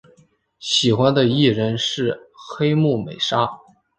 喜欢的艺人是黑木美纱。